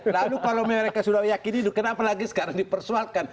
nah kalau mereka sudah meyakini kenapa lagi sekarang dipersoalkan